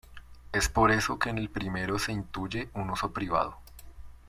Es por eso que en el primero se intuye un uso privado.